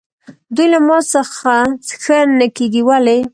دوی له ما څخه ښه نه کېږي، ولې؟